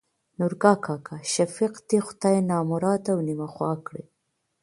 نورګا کاکا : شفيق د خداى نمراد او نيمه خوا کړي.